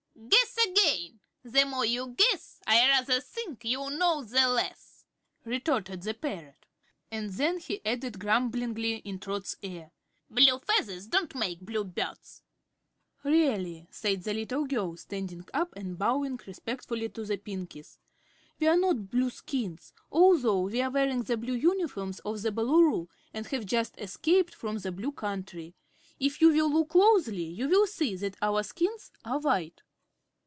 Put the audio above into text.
"Guess again! The more you guess I rather think you'll know the less," retorted the parrot; and then he added grumblingly in Trot's ear: "Blue feathers don't make bluebirds." "Really," said the little girl, standing up and bowing respectfully to the Pinkies, "we are not Blueskins, although we are wearing the blue uniforms of the Boolooroo and have just escaped from the Blue Country. If you will look closely you will see that our skins are white."